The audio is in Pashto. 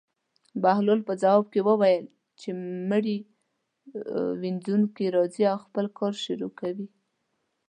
بهلول په ځواب کې وویل: چې مړي وينځونکی راځي او خپل کار شروع کوي.